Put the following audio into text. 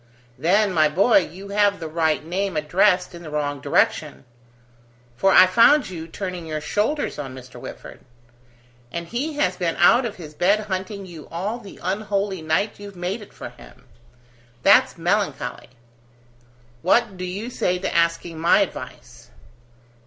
"Then, my boy, you have the right name addressed in the wrong direction: for I found you turning your shoulders on Mr. Whitford. And he has been out of his bed hunting you all the unholy night you've made it for him. That's melancholy. What do you say to asking my advice?"